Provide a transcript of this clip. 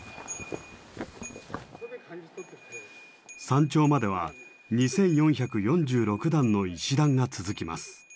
山頂までは２，４４６段の石段が続きます。